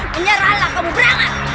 menyerahlah kamu berangkat